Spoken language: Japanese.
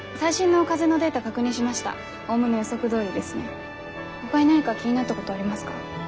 ほかに何か気になったことありますか？